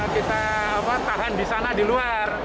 kita tahan di sana di luar